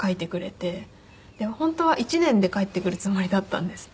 でも本当は１年で帰ってくるつもりだったんです。